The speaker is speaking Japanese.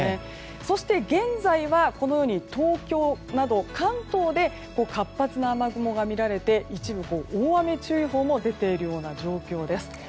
そして、現在は東京など関東で活発な雨雲が見られて一部、大雨注意報も出ているような状況です。